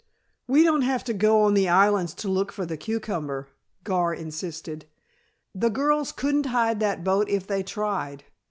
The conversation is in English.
"We don't have to go on the islands to look for the Cucumber," Gar insisted. "The girls couldn't hide that boat if they tried.